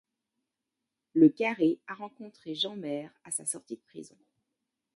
Le Carré a rencontré Jeanmaire à sa sortie de prison.